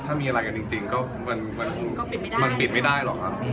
ถ้ามีอะไรกันจริงก็มันปิดไม่ได้หรอกครับ